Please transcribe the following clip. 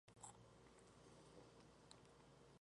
Entonces ella toma una drástica decisión: dispararle.